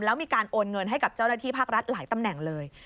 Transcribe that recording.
แล้วมีการโอนเงินให้กับเจ้าหน้าที่ภาครัฐหลายตำแหน่งเลย